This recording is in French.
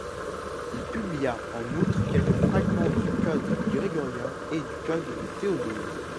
Il publia en outre quelques fragments du Code Grégorien et du Code de Théodose.